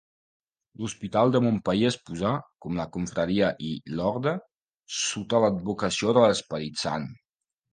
L'hospital de Montpeller es posà, com la confraria i l'orde, sota l'advocació de l'Esperit Sant.